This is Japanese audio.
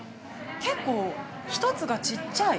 結構、１つがちっちゃい。